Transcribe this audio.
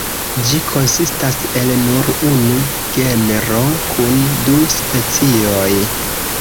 Ĝi konsistas el nur unu genro kun du specioj.